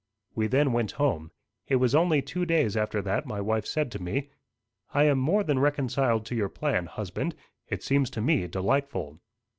We then went home. It was only two days after that my wife said to me "I am more than reconciled to your plan, husband. It seems to me delightful."